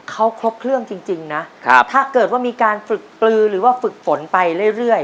เขาครบเครื่องจริงนะถ้าเกิดว่ามีการฝึกปลือหรือว่าฝึกฝนไปเรื่อย